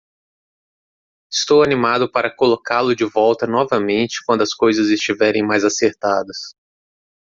Estou animado para colocá-lo de volta novamente quando as coisas estiverem mais acertadas.